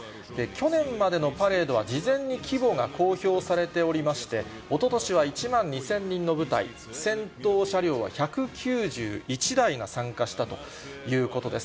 去年までのパレードは、事前に規模が公表されておりまして、おととしは１万２０００人の部隊、戦闘車両は１９１台が参加したということです。